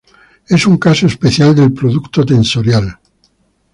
Es un caso especial del producto tensorial.